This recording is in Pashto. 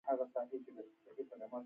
• د انګورو جوس طبیعي درمل ګڼل کېږي.